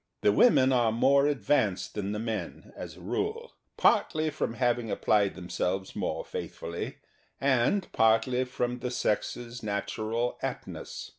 The women are more advanced than the men, as a rule, partly from having applied them selves more faithfully and partly from the sex's natural aptness.